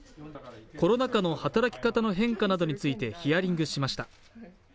コロナ禍の働き方の変化などについてヒアリングしました。